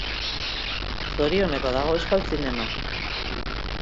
Zorioneko dago euskal zinema.